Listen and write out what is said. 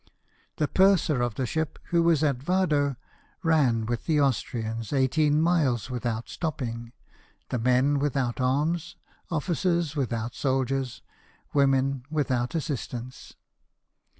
The purser of DEFEAT OF GENERAL DE VINS. 93 the ship, who was at Vado, ran with the Austrians eighteen miles without stopping; the men without arms, officers without soldiers, women without assist ance.